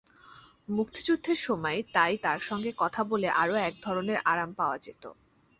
মুক্তিযুদ্ধের সময় তাই তার সঙ্গে কথা বলে আরও একধরনের আরাম পাওয়া যেত।